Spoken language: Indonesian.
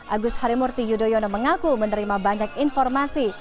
agus harimurti yudhoyono mengaku menerima banyak informasi